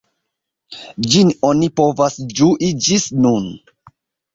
Ĝin oni povas ĝui ĝis nun.